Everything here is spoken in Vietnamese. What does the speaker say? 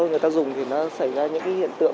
nếu mà người ta dùng thì nó xảy ra những hiện tượng